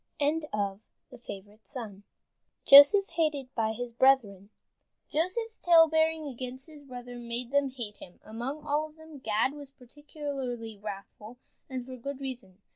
JOSEPH HATED BY HIS BRETHREN Joseph's talebearing against his brethren made them hate him. Among all of them Gad was particularly wrathful, and for good reason.